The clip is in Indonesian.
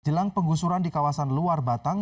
jelang penggusuran di kawasan luar batang